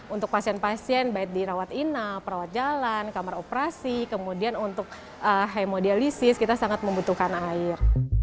untuk pasien pasien baik di rawat inap perawat jalan kamar operasi kemudian untuk hemodialisis kita sangat membutuhkan air